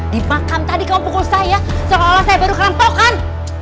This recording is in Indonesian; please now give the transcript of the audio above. di makam tadi kamu pukul saya seolah olah saya baru kelampau kan